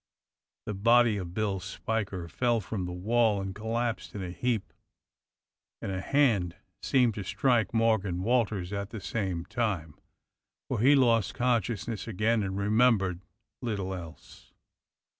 The body of Bill Spiker fell from the wall and collapsed in a heap, and a hand seemed to strike Mor gan Walters at the same time, for he lost consciousness again and remembered little else.